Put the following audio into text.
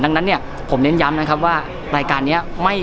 ดังนั้นเนี่ยผมเน้นย้ำนะครับว่ารายการนี้